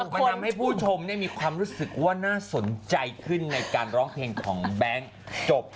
มันทำให้ผู้ชมมีความรู้สึกว่าน่าสนใจขึ้นในการร้องเพลงของแบงค์จบ